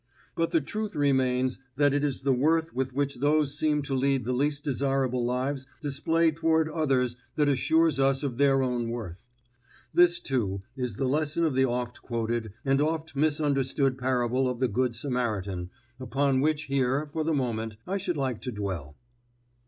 But the truth remains that it is the worth which those who seem to lead the least desirable lives display toward others that assures us of their own worth. This, too, is the lesson of the oft quoted and oft misunderstood parable of the Good Samaritan, upon which here, for the moment, I should like to dwell.